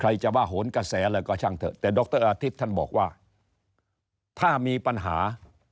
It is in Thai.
จะว่าโหนกระแสอะไรก็ช่างเถอะแต่ดรอาทิตย์ท่านบอกว่าถ้ามีปัญหา